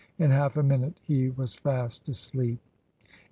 In half a minute he was fast asleep.